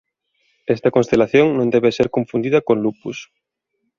Esta constelación non debe ser confundida con "Lupus".